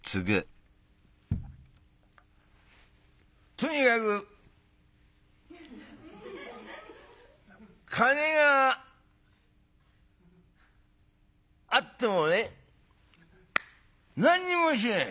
「とにかく金があってもね何にもしねえ。